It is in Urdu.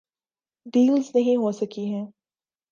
ریلیز نہیں ہوسکی ہیں۔